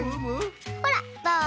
ほらっどう？